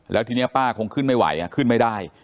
แล้วทีนี้ป้าคงขึ้นไม่ไหวขึ้นไม่ได้